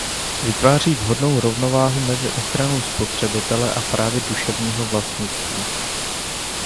Vytváří vhodnou rovnováhu mezi ochranou spotřebitele a právy duševního vlastnictví.